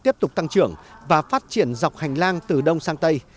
tiếp tục tăng trưởng và phát triển dọc hành lang từ đông sang tây